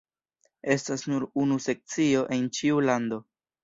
Estas nur unu sekcio en ĉiu lando.